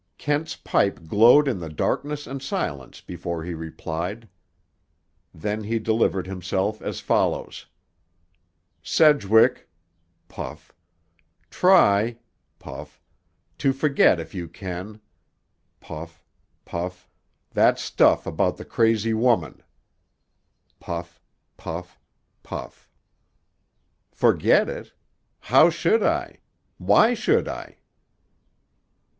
Kent's pipe glowed in the darkness and silence before he replied. Then he delivered himself as follows: "Sedgwick"—puff—"try"—puff—"to forget if you can"—puff—puff—"that stuff about the crazy woman"—puff—puff—puff. "Forget it? How should I? Why should I?"